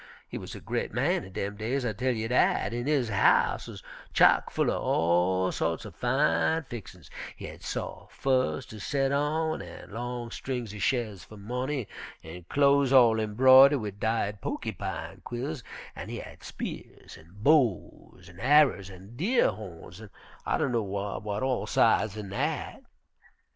He wuz a gre't man in dem days, I tell you dat, an' his house wuz chock full er all sorts er fine fixin's. He had sof' furs ter set on an' long strings er shells fer money, an clo'es all imbroider' wid dyed pokkypine quills, an' he had spears an' bows an' arrers an' deer hawns, an' I dunno w'at all sidesen dat.